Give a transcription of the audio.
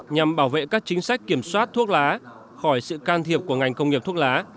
nhằm bảo vệ các chính sách kiểm soát thuốc lá khỏi sự can thiệp của ngành công nghiệp thuốc lá